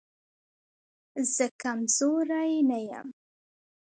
زه کمزوری نه يم